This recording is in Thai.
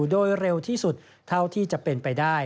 โดยเร็วที่สุดเท่าที่จะเป็นไปได้